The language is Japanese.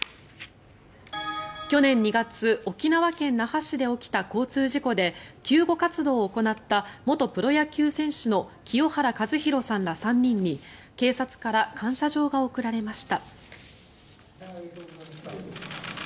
去年２月沖縄県那覇市で起きた交通事故で救護活動を行った元プロ野球選手の清原和博さんら３人に警察から感謝状が贈られました。